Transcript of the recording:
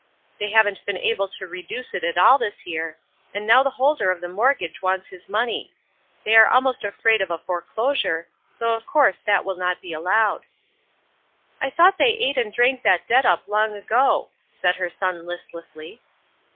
''They haven't been able to reduce it at all this year, and now the holder of the mortgage wants his money. They are almost afraid of a foreclosure, though of course that will not be allowed." ''I thought they ate and drank that debt up long ago," said her son, listlessly.